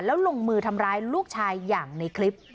แล้วลงมือทำร้ายลูกชายอย่างในคลิป